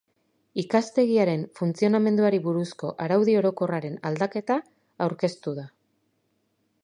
Ikastegiaren funtzionamenduari buruzko araudi orokorraren aldaketa aurkeztu da.